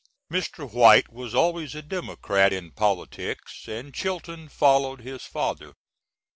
Mr. White was always a Democrat in politics, and Chilton followed his father.